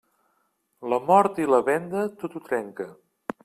La mort i la venda, tot ho trenca.